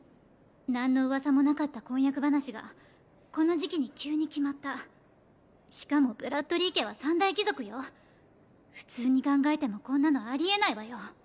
何の噂もなかった婚約話がこの時期に急に決まったしかもブラッドリィ家は三大貴族よ普通に考えてもこんなのあり得ないわよ